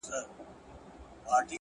نیک عمل د خلکو په یاد پاتې کېږي,